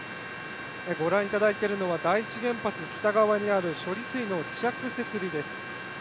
ご覧いただいているのは、第一原発北側にある処理水の希釈設備です。